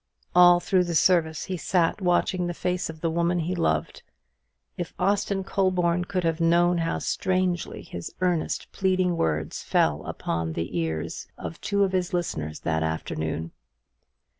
All through the service he sat watching the face of the woman he loved. If Austin Colborne could have known how strangely his earnest, pleading words fell upon the ears of two of his listeners that afternoon!